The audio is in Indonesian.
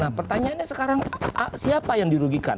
nah pertanyaannya sekarang siapa yang dirugikan